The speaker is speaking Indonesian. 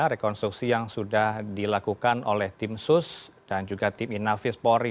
rekonstruksi yang sudah dilakukan oleh tim sus dan juga tim inafis polri